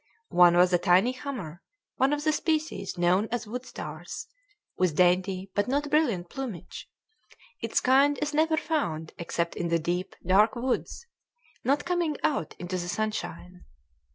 One was a tiny hummer, one of the species known as woodstars, with dainty but not brilliant plumage; its kind is never found except in the deep, dark woods, not coming out into the sunshine.